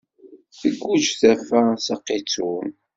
Tegguǧ taffa s aqettun.